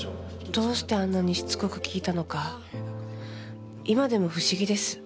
どうしてあんなにしつこく聞いたのか今でも不思議です。